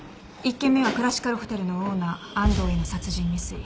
１件目はクラシカルホテルのオーナー安藤への殺人未遂。